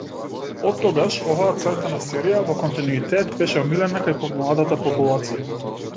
Оттогаш оваа цртана серија во континуитет беше омилена кај помладата популација.